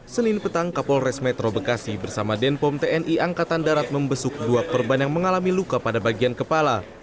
senin petang kapolres metro bekasi bersama denpom tni angkatan darat membesuk dua korban yang mengalami luka pada bagian kepala